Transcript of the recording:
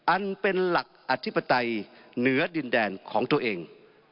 อันเป็นหลักอธิปไตยเหนือดินแดนของตัวเอง